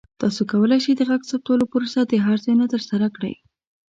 تاسو کولی شئ د غږ ثبتولو پروسه د هر ځای نه ترسره کړئ.